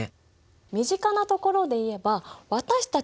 身近なところで言えば私たち